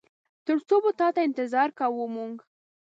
تر څو به تاته انتظار کوو مونږ؟